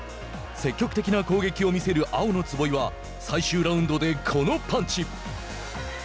積極的な攻撃を見せる青の坪井は最終ラウンドで、このパンチ。